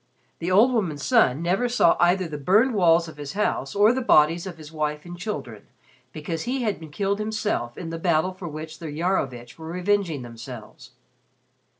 The old woman's son never saw either the burned walls of his house or the bodies of his wife and children, because he had been killed himself in the battle for which the Iarovitch were revenging themselves.